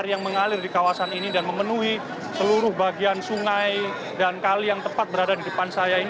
yang mengalir di kawasan ini dan memenuhi seluruh bagian sungai dan kali yang tepat berada di depan saya ini